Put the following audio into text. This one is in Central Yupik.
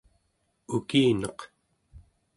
ukineq